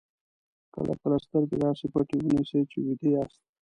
کله کله سترګې داسې پټې ونیسئ چې ویده یاست.